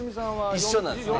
一緒なんですね